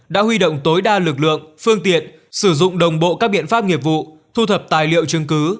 đã huy động tối đa lực lượng phương tiện sử dụng đồng bộ các biện pháp nghiệp vụ thu thập tài liệu chứng cứ